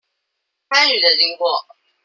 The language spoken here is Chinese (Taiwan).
參與的經過